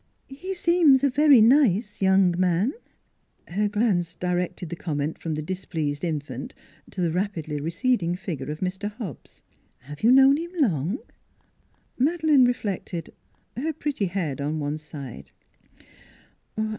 ... He seems a very nice young man." 1 68 NEIGHBORS Her glance directed the comment from the dis pleased infant to the rapidly receding figure of Mr. Hobbs. " Have you known him long? " Madeleine reflected, her pretty head on one side.